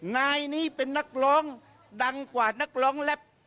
นายนี้เป็นนักร้องดังกว่านักร้องแล็บ